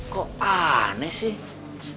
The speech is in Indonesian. kok aneh sih